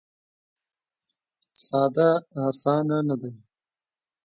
ساده اسانه نه دی.